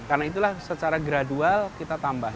karena itulah secara gradual kita tambah